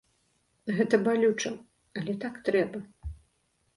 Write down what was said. Гэта балюча, але так трэба.